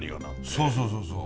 そうそうそうそう。